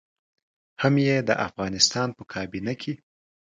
هم يې د افغانستان په کابينه کې.